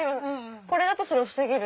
これだとそれを防げる。